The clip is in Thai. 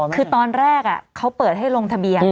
คือตอนแรกเขาเปิดให้ลงทะเบียน